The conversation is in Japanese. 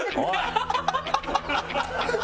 ハハハハ！